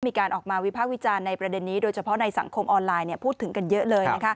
มีการออกมาวิภาควิจารณ์ในประเด็นนี้โดยเฉพาะในสังคมออนไลน์พูดถึงกันเยอะเลย